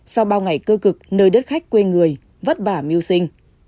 sau bao ngày cơ cực nơi đất khách quê người vất bả miêu sinh